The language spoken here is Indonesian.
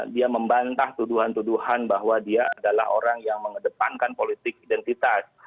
dia membantah tuduhan tuduhan bahwa dia adalah orang yang mengedepankan politik identitas